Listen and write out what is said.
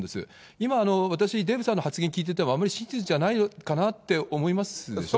今、私、デーブさんの発言聞いてても、あんまり真実じゃないかなと思いますでしょ。